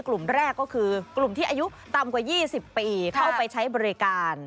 กลุ่มแรกก็คือกลุ่มที่อายุต่ำกว่า๒๐ปีเข้าไปใช้บริการ